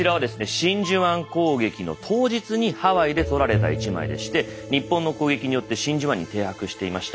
真珠湾攻撃の当日にハワイで撮られた１枚でして日本の攻撃によって真珠湾に停泊していました